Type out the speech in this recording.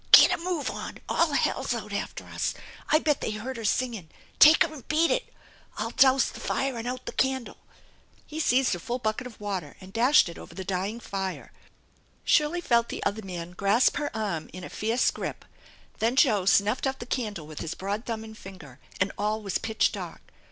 " Get a move on! All hell's out after us! I bet they heard her singin'' Take her an' beat it ! I'll douse the fire an' out the candle. He seized a full bucket of water and dashed it over the dying fire. Shirley felt the other man grasp her arm in a fierce grip. Then Joe snuffed out the candle with his broad thumb and finger and all was pitch dark.